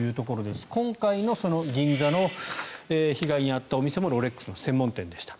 今回の銀座の被害に遭ったお店もロレックスの専門店でした。